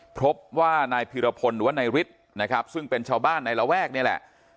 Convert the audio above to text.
พบว่านายพิรพลหรือว่านายฤทธิ์นะครับซึ่งเป็นชาวบ้านในระแวกนี่แหละ